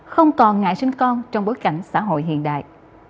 không còn ngại sinh con trong bối cảnh xã hội hiện đại